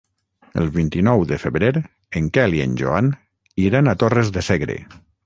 El vint-i-nou de febrer en Quel i en Joan iran a Torres de Segre.